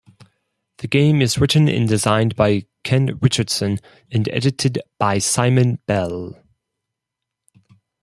The game is written and designed by Ken Richardson and edited by Simon Bell.